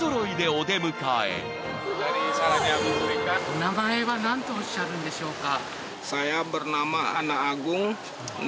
お名前は何とおっしゃるんでしょうか？